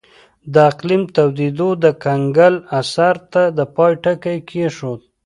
د اقلیم تودېدو د کنګل عصر ته د پای ټکی کېښود